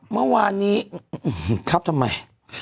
เมื่อวานนี้ครับทำไม